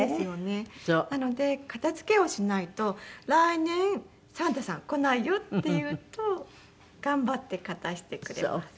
なので「片付けをしないと来年サンタさん来ないよ」って言うと頑張って片してくれます。